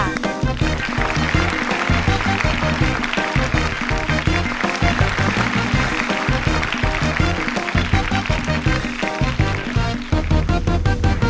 อุปกรณ์ทำสวนชนิดใดราคาถูกที่สุด